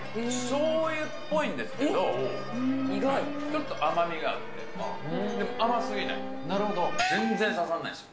しょうゆっぽいんですけど、ちょっと甘みがあって、甘すぎない。